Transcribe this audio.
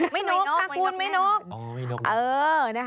ไม่นกทางกูลไม่นก